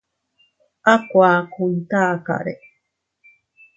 A kuakun takare.